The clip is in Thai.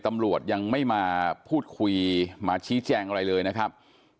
ตำรวจยังไม่มาพูดคุยมาชี้แจงอะไรเลยนะครับ